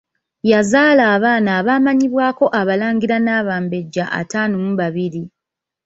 Yazaala abaana abaamanyibwako Abalangira n'Abambejja ataano mu babiri.